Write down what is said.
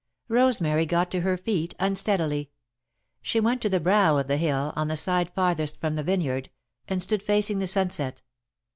Rosemary got to her feet unsteadily. She went to the brow of the hill, on the side farthest from the vineyard, and stood facing the sunset.